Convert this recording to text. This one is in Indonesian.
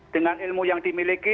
dengan ilmu yang dimiliki